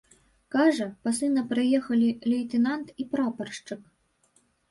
Кажа, па сына прыехалі лейтэнант і прапаршчык.